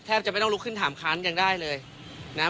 จะไม่ต้องลุกขึ้นถามค้านยังได้เลยนะ